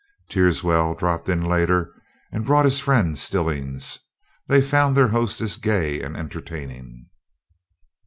Teerswell dropped in later and brought his friend, Stillings. They found their hostess gay and entertaining.